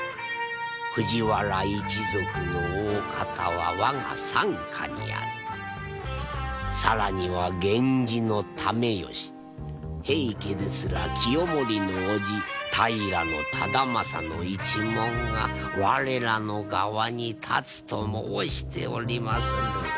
藤原一族の大方は我が傘下にあり更には源氏の爲義平家ですら清盛の叔父平忠正の一門が我らの側に立つと申しておりまする。